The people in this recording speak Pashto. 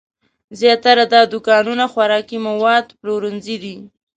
زیاتره دا دوکانونه خوراکي مواد پلورنځي دي.